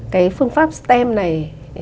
cái phương pháp stem này